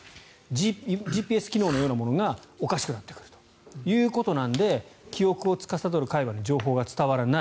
ＧＰＳ機能のようなものがおかしくなってくるということなので記憶をつかさどる海馬に情報が伝わらない。